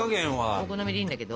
お好みでいいんだけど。